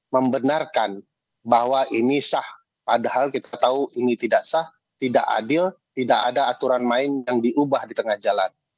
membenarkan bahwa ini sah padahal kita tahu ini tidak sah tidak adil tidak ada aturan main yang diubah di tengah jalan